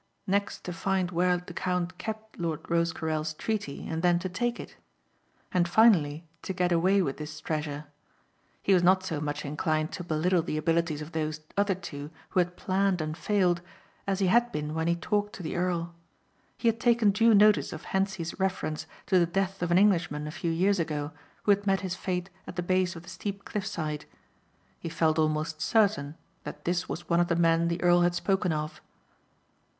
Next to find where the count kept Lord Rosecarrel's treaty and then to take it. And finally to get away with his treasure. He was not so much inclined to belittle the abilities of those other two who had planned and failed as he had been when he talked to the earl. He had taken due notice of Hentzi's reference to the death of an Englishman a few years ago who had met his fate at the base of the steep cliff side. He felt almost certain that this was one of the men the earl had spoken of.